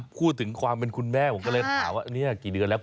พูดถึงความเป็นคุณแม่ผมก็เลยถามว่านี่กี่เดือนแล้ว